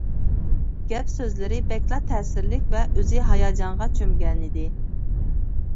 گەپ-سۆزلىرى بەكلا تەسىرلىك ۋە ئۆزى ھاياجانغا چۆمگەنىدى.